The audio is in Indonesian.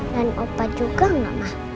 dan opa juga gak mah